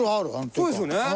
そうですよね。